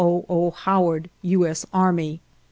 O. Howard, U. S. Army.